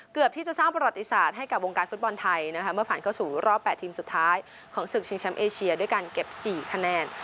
เกือบที่จะสร้างประวัติศาสตร์ให้กับวงการฟุตบอลไทยนะคะเมื่อผ่านเข้าสู่รอบ๘ทีมสุดท้ายของศึกชิงแชมป์เอเชียด้วยการเก็บ๔คะแนน